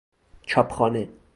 چاپخانه